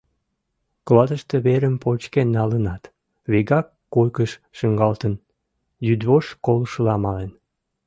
Клатыште верым почкен налынат, вигак койкыш шуҥгалтын, йӱдвошт колышыла мален.